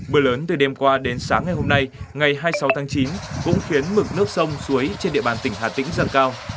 mưa lớn từ đêm qua đến sáng ngày hôm nay ngày hai mươi sáu tháng chín cũng khiến mực nước sông suối trên địa bàn tỉnh hà tĩnh dần cao